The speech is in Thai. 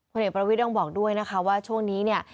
พระเอกประวิดองค์บอกด้วยนะคะว่าช่วงนี้